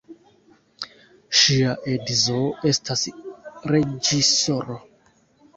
Ŝia edzo estas reĝisoro.